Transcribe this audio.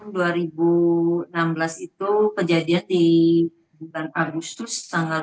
tahun dua ribu enam belas itu kejadian di bulan agustus tanggal dua puluh